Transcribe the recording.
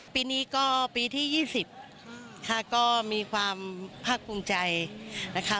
ปีนี้ก็ปีที่๒๐ค่ะก็มีความภาคภูมิใจนะคะ